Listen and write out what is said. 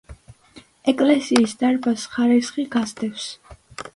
ეკლესიის დარბაზს ხარისხი გასდევს.